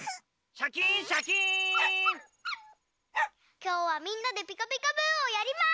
きょうはみんなで「ピカピカブ！」をやります！